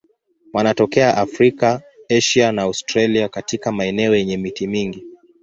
Wanatokea Afrika, Asia na Australia katika maeneo yenye miti mingi.